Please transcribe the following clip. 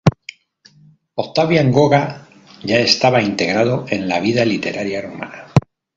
Octavian Goga ya estaba integrado en la vida literaria rumana.